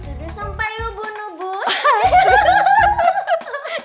sudah sampai ubun ubun